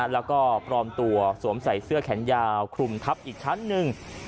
แล้วก็พร้อมตัวสวมใส่เสื้อแขนยาวคลุมทับอีกชั้นหนึ่ง